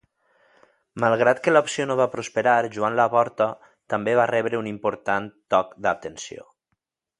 Malgrat que la moció no va prosperar, Joan Laporta rebé un important toc d'atenció.